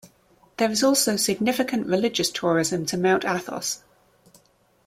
There is also significant religious tourism to Mount Athos.